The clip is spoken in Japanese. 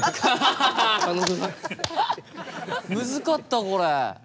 ムズかったこれ。